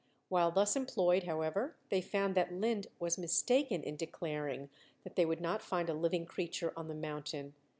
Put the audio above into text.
While thus employed, however, they found that Linde was mistaken in declaring that they would not find a living creature on the mountain.